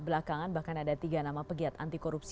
belakangan bahkan ada tiga nama pegiat anti korupsi